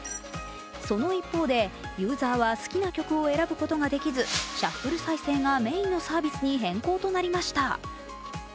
その一方で、ユーザーは好きな曲を選ぶことができず、シャッフル再生がメインのサービスに変更となりました。